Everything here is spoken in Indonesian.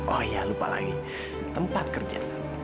oh ya lupa lagi tempat kerja